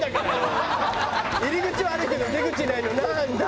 入り口はあるけど出口ないのなんだ？